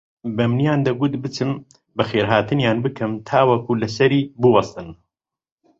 بەمنیان دەگوت بچم بەخێرهاتنیان بکەم تاوەکو لەسەری بووەستن